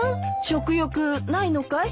食欲ないのかい？